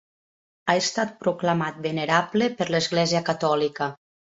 Ha estat proclamat venerable per l'Església catòlica.